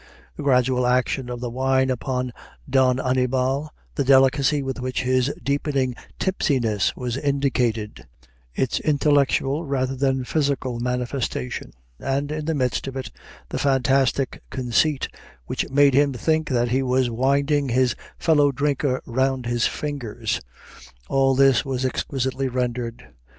The gradual action of the wine upon Don Annibal, the delicacy with which his deepening tipsiness was indicated, its intellectual rather than physical manifestation, and, in the midst of it, the fantastic conceit which made him think that he was winding his fellow drinker round his fingers all this was exquisitely rendered.